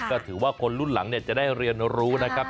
ก็ถือว่าคนรุ่นหลังจะได้เรียนรู้นะครับ